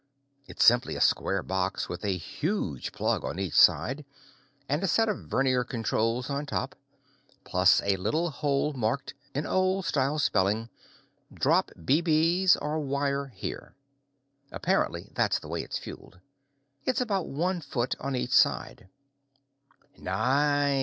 It's simply a square box with a huge plug on each side, and a set of vernier controls on top, plus a little hole marked, in old style spelling, Drop BBs or wire here. Apparently that's the way it's fueled. It's about one foot on each side.